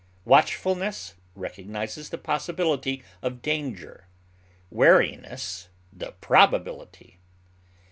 Watchfulness recognizes the possibility of danger, wariness the probability.